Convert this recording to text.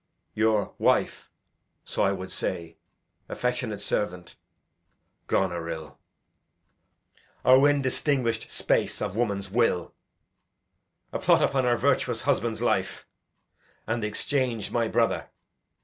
'Your (wife, so I would say) affectionate servant, 'Goneril.' O indistinguish'd space of woman's will! A plot upon her virtuous husband's life, And the exchange my brother!